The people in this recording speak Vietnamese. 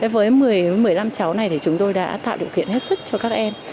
với một mươi năm cháu này thì chúng tôi đã tạo điều kiện hết sức cho các em